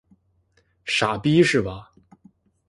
傻逼是吧？